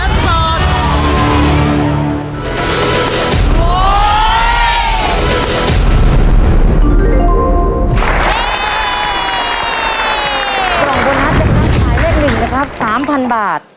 กล่องโบนัสหมายเลข๑นะครับ๓๐๐๐บาท